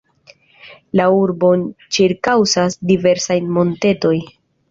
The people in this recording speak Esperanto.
La urbon ĉirkaŭas diversaj montetoj.